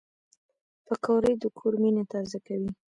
پکورې د کور مینه تازه کوي